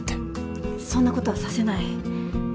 そんな事はさせない。